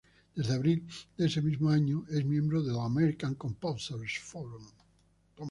Desde abril de ese mismo año es miembro del American Composers Forum.